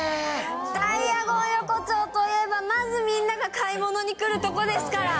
ダイアゴン横丁といえば、まずみんなが買い物に来る所ですから。